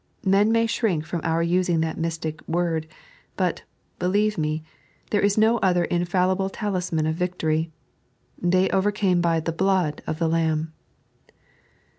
Men may shrink from our using that mystic word, but, beliove me, there is no other infallible talisman of victory. "They overcame by ihe Blood of the Lamb."